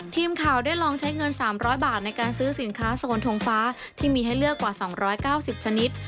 ทีมข่าวได้ลองใช้เงิน๓๐๐บาทในการซื้อสินค้าโซนทงฟ้าที่มีให้เลือกกว่า๒๙๐ชนิด